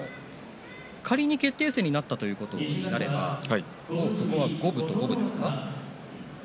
仮に決定戦になったとなればそこは五分と五分ですから。